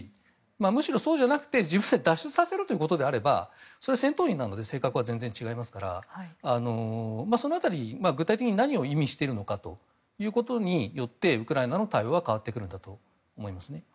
むしろそうじゃなくて自分で脱出させるということであれば戦闘員なので性格は全然違うんですがその辺り、具体的に何を意味しているのかということによってウクライナの対応は変わってくるんだと思いますね。